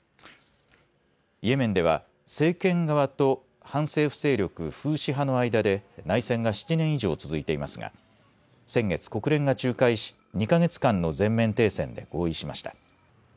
イエメンでは政権側と反政府勢力、フーシ派の間で内戦が７年以上続いていますが、先月、国連が仲介し、２か月間の全面停戦で合意しました。